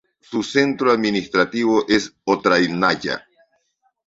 Su centro administrativo es Otrádnaya.